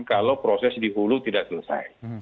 kalau proses di hulu tidak selesai